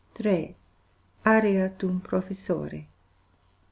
Aria d'un Professore.